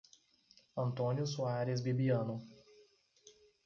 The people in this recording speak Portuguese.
Antônio Soares Bibiano